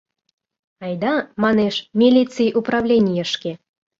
Айда, манеш, милиций управленийышке!